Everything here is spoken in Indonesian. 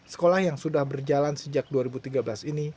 sekolah yang sudah berjalan sejak dua ribu tiga belas ini